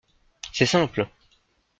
C’est simple.